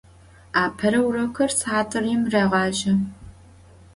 Apere vurokır sıhatır yim rêğaje.